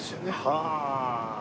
はあ！